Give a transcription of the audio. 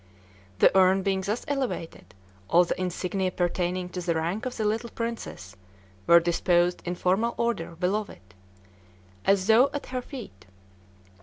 The urn being thus elevated, all the insignia pertaining to the rank of the little princess were disposed in formal order below it, as though at her feet.